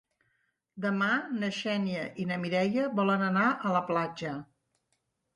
Demà na Xènia i na Mireia volen anar a la platja.